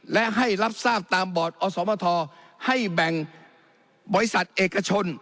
และให้รับทราบตามบอร์ดอสมทให้แบ่งบริษัทเอกชน